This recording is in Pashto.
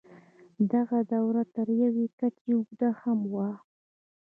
دغه دوره تر یوې کچې اوږده هم وه.